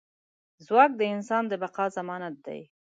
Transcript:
ځواک د انسان د بقا ضمانت دی.